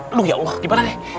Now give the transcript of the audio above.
aduh ya allah gimana deh